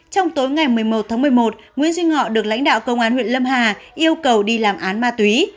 trong tối ngày một mươi một tháng một mươi một nguyễn duy ngọ được lãnh đạo công an huyện lâm hà yêu cầu đi làm án ma túy